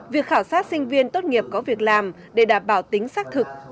việc khảo sát sinh viên tốt nghiệp có việc làm để đảm bảo tính xác thực